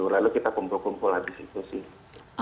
lalu kita kumpul kumpul habis itu sih